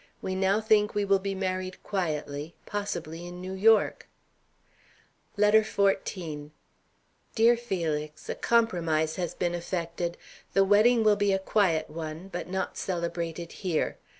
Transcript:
We now think we will be married quietly, possibly in New York. LETTER XIV. DEAR FELIX: A compromise has been effected. The wedding will be a quiet one, but not celebrated here.